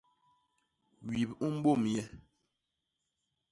Wip u mbôm nye.